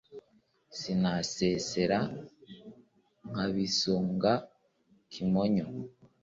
sinasesera nk’abisunga kimonyo